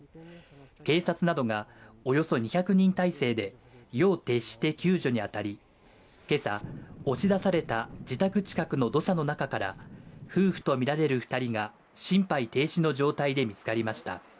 警察などがおよそ２００人態勢で夜を徹して救助に当たり、今朝、押し出された自宅近くの土砂の中から夫婦とみられる２人が心肺停止の状態で見つかりました。